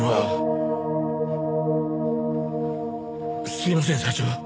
すいません社長。